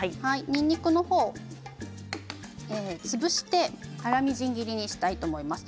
にんにくの方は潰して粗みじん切りにしたいと思います。